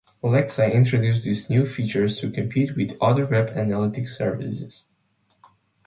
Alexa introduced these new features to compete with other web analytics services.